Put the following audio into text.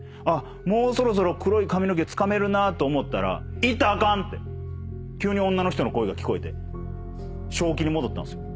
もうそろそろ黒い髪の毛つかめるなと思ったら「行ったらあかん！」って急に女の人の声が聞こえて正気に戻ったんすよ。